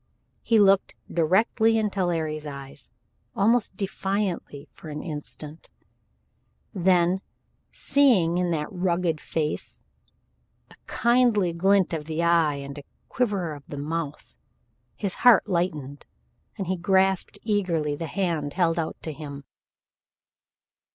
He looked directly into Larry's eyes, almost defiantly for an instant, then seeing in that rugged face a kindly glint of the eye and a quiver about the mouth, his heart lightened and he grasped eagerly the hand held out to him.